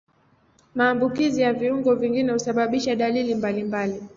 Maambukizi ya viungo vingine husababisha dalili mbalimbali.